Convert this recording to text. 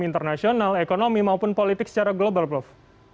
internasional ekonomi maupun politik secara global prof